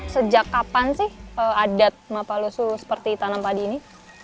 sejak kapan sih adat maaf pak lusuh seperti tanam padi ini